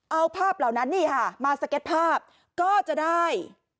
เอาภาพเหล่านั้นนี่ค่ะมาสเก็ตภาพก็จะได้